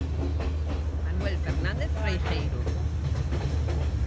Manuel Fernández Freijeiro.